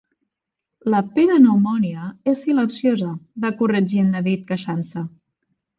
La P de pneumònia és silenciosa, va corregir en David, queixant-se.